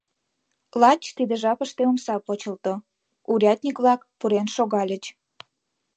Лач тиде жапыште омса почылто, урядник-влак пурен шогальыч.